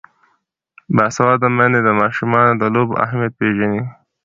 باسواده میندې د ماشومانو د لوبو اهمیت پېژني.